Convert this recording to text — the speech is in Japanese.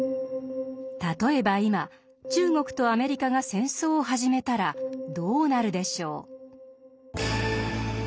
例えば今中国とアメリカが戦争を始めたらどうなるでしょう？